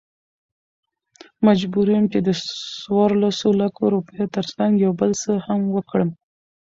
مجبور يم چې دڅورلسو لکو، روپيو ترڅنګ يو بل څه هم وکړم .